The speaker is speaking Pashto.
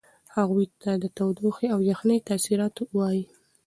هغوی ته د تودوخې او یخنۍ د تاثیراتو وایئ.